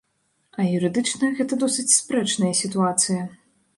А юрыдычна гэта досыць спрэчная сітуацыя.